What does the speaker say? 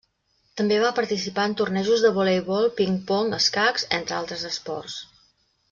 També va participar en tornejos de voleibol, ping-pong, escacs, entre altres esports.